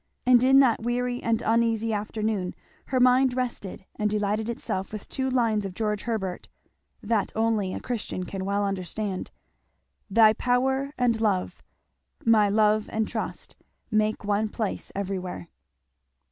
And in that weary and uneasy afternoon her mind rested and delighted itself with two lines of George Herbert, that only a Christian can well understand, "Thy power and love, my love and trust, Make one place everywhere."